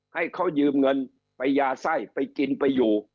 ให้เขายืมเงินไปยาไส้ไปกินไปอยู่